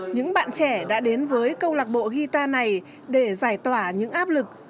những bạn trẻ đã đến với câu lạc bộ hitar này để giải tỏa những áp lực